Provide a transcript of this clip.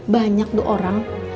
banyak tuh orang